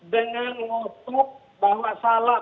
dengan ngutuk bahwa salah